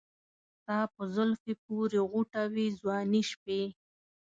ستا په زلفې پورې غوټه وې ځواني شپې